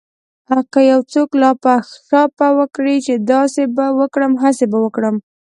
که يو څوک لاپه شاپه وکړي چې داسې به وکړم هسې به وکړم.